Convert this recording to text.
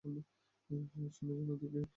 শোনার জন্য উদগ্রীব।